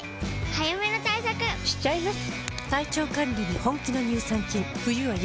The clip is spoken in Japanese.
早めの対策しちゃいます。